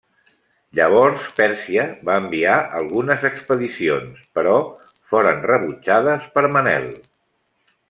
Llavors Pèrsia va enviar algunes expedicions, però foren rebutjades per Manel.